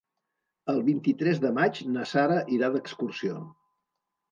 El vint-i-tres de maig na Sara irà d'excursió.